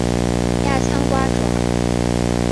亚参爪哇。